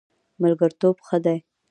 ملګرتوب ښه دی.